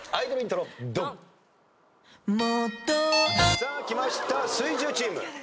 さあきました水１０チーム。